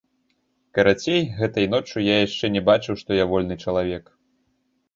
Карацей, гэтай ноччу я яшчэ не бачыў, што я вольны чалавек.